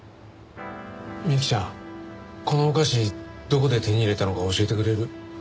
美幸ちゃんこのお菓子どこで手に入れたのか教えてくれる？